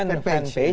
dan itu tuhan tuhan